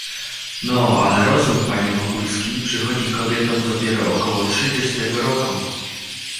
"No, ale rozum, panie Wokulski, przychodzi kobietom dopiero około trzydziestego roku..."